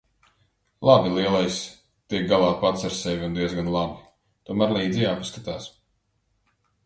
Labi, lielais tiek galā pats ar sevi un diezgan labi. Tomēr līdzi jāpaskatās.